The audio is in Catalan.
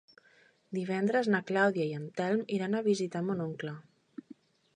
Divendres na Clàudia i en Telm iran a visitar mon oncle.